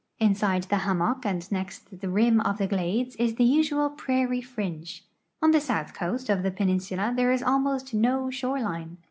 Inside thi! hammock and nc.xt the rim of the ghulcs is tin; usual prairie fringe;. On the south coast of the peninsula there is almost no shore line.